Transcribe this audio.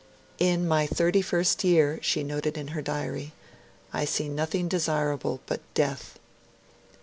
'In my thirty first year,' she noted in her diary, 'I see nothing desirable but death.'